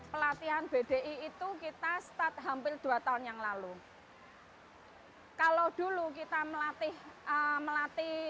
pelatihan bdi itu kita mulai hampir dua tahun yang lalu